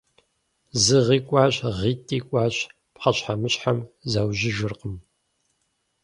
Зы гъи кӀуащ, гъитӀи кӀуащ – пхъэщхьэмыщхьэм заужьыжыркъым.